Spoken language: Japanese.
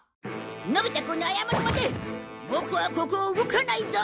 のび太くんに謝るまでボクはここを動かないぞ！